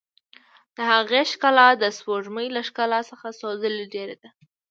د هغې ښکلا د سپوږمۍ له ښکلا څخه څو ځلې ډېره ده.